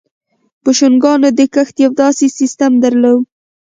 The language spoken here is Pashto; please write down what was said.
بوشنګانو د کښت یو داسې سیستم درلود.